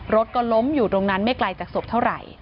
รถก็ล้มอยู่ตรงนั้นไม่ไกลจากศพเท่าไหร่